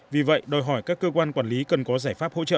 vì vậy đòi hỏi các cơ quan quản lý cần có giải pháp hỗ trợ